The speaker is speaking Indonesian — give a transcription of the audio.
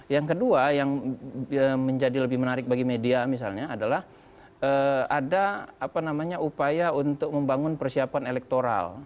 yang kedua yang menjadi lebih menarik bagi media misalnya adalah ada upaya untuk membangun persiapan elektoral